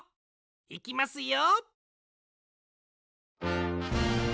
いきますよ。